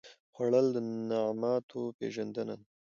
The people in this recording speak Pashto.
خوړل د نعماتو پېژندنه ده